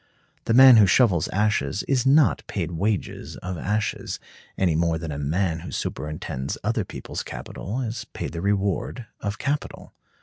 The man who shovels ashes is not paid wages of ashes, any more than a man who superintends other people's capital is paid the reward of capital.